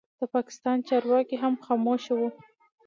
د پاکستان چارواکي هم خاموشه وو.